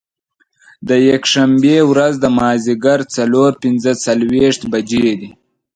د یکشنبې ورځ د مازدیګر څلور پنځه څلوېښت بجې دي.